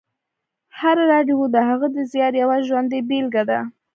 هره راډیو د هغه د زیار یوه ژوندۍ بېلګې ده